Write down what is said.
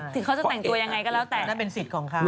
คือเขาจะแต่งตัวยังไงก็แล้วแต่